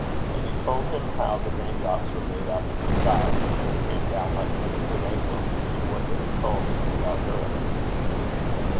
And he told him how the rain drops were made up in the skies, and then came down, like millions of angels, to do what they were told in the dark earth.